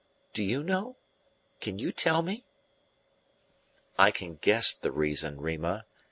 Do you know can you tell me?" "I can guess the reason, Rima.